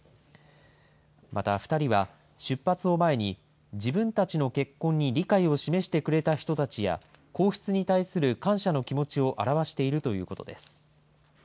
また２人は、出発を前に、自分たちの結婚に理解を示してくれた人たちや、皇室に対する感謝の気持ちを表しているということです。